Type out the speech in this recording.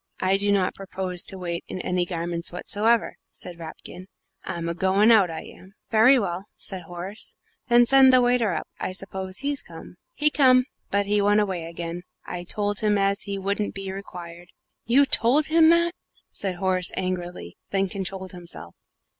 "I do not propose to wait in any garments whatsoever," said Rapkin; "I'm a goin' out, I am." "Very well," said Horace; "then send the waiter up I suppose he's come?" "He come but he went away again I told him as he wouldn't be required." "You told him that!" Horace said angrily, and then controlled himself.